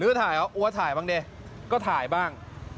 ลื้อถ่ายเหรอว่าถ่ายบ้างดิก็ถ่ายบ้าง